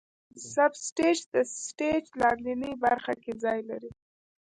سب سټیج د سټیج لاندینۍ برخه کې ځای لري.